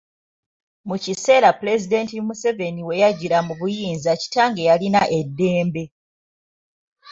Mu kiseera Pulezidenti Museveni we yajjira mu buyinza kitange yalina eddembe